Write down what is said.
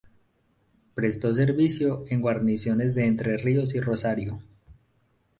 Prestó servicio en guarniciones de Entre Ríos y Rosario.